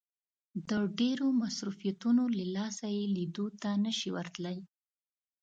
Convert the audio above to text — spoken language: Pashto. د ډېرو مصروفيتونو له لاسه يې ليدو ته نه شي ورتلای.